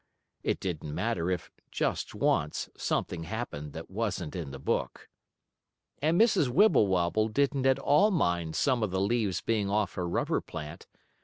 It didn't matter if, just once, something happened that wasn't in the book. And Mrs. Wibblewobble didn't at all mind some of the leaves being off her rubber plant.